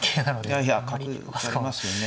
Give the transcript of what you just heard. いやいや角打たれますよね。